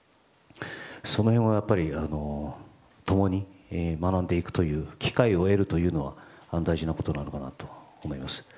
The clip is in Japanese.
その辺は共に学んでいくという機会を得るというのは大事なことなのかなと思います。